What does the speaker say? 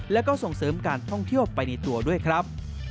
แล้วก็ส่งเสริมการท่องเที่ยวไปในตัวด้วยครับ